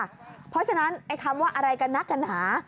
เพราะฉะนั้นไอ้คำว่าอะไรกันนักกันหา